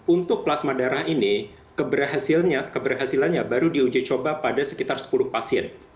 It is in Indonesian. untuk plasma darah ini keberhasilannya baru diuji coba pada sekitar sepuluh pasien